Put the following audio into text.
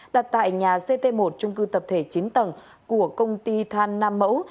đặt tại nhà ct một trung cư tập thể chín tầng của công ty than nam mẫu